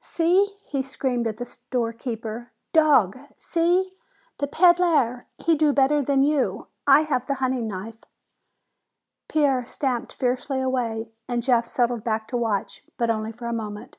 "See!" he screamed at the storekeeper. "Dog! See! The pedd lair, he do better than you! I have the hunting knife!" Pierre stamped fiercely away and Jeff settled back to watch. But only for a moment.